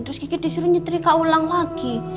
terus kiki disuruh nyetrika ulang lagi